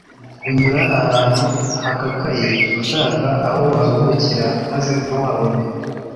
unyura ahantu hakakaye ushaka aho waruhukira maze ntuhabone